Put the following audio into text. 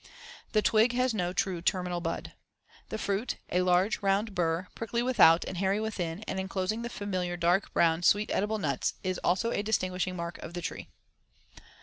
The twig has no true terminal bud. The fruit, a large, round *bur*, prickly without and hairy within and enclosing the familiar dark brown, sweet edible nuts is also a distinguishing mark of the tree.